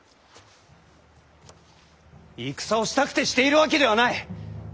戦をしたくてしているわけではない！